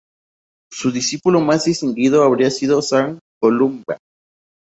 Su discípulo más distinguido habría sido San Columba.